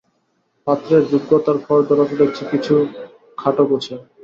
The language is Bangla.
পাত্রের যোগ্যতার ফর্দটা তো দেখছি কিছু খাটো গোছের।